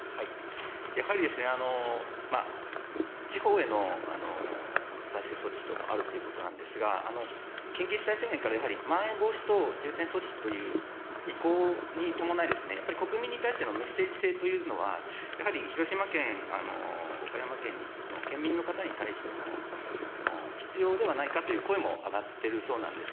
やはり地方への財政措置等もあるということなんですが、緊急事態宣言からやはりまん延防止等重点措置という移行に伴い、やっぱり国民に対してのメッセージ性というのは、やはり広島県、岡山県の県民の方に対しても、必要ではないかという声も上がってるそうなんです。